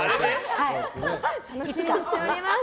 楽しみにしております。